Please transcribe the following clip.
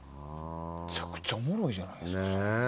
めちゃくちゃおもろいじゃないですか！